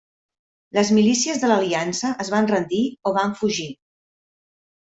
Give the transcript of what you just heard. Les milícies de l'Aliança es van rendir o van fugir.